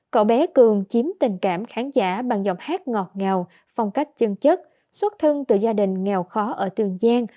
cậu bé cường chiếm tình cảm khán giả bằng giọng hát ngọt ngào phong cách chân chất xuất thân từ gia đình nghèo khó ở trường giang